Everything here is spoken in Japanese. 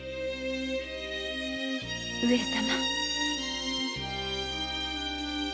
上様。